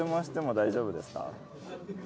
大丈夫ですよ。